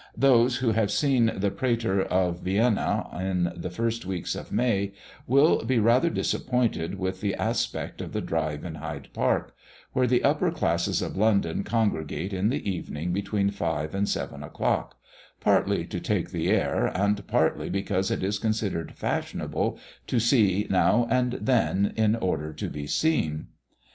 Those who have seen the Prater of Vienna in the first weeks of May will be rather disappointed with the aspect of the drive in Hyde Park, where the upper classes of London congregate in the evening between five and seven o'clock, partly to take the air, and partly because it is considered fashionable to see now and then in order to be seen.